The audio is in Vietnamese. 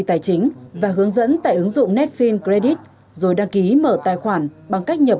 tài chính và hướng dẫn tại ứng dụng netfine credit rồi đăng ký mở tài khoản bằng cách nhập